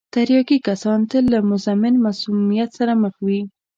تریاکي کسان تل له مزمن مسمومیت سره مخ وي.